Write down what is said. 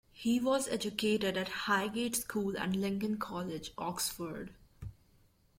He was educated at Highgate School and Lincoln College, Oxford.